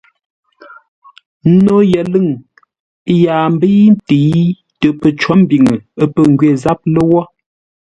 No yəlʉ̂ŋ yaa mbəi ntə̂i tə pəcó mbiŋə pə̂ ngwê záp lə́wó.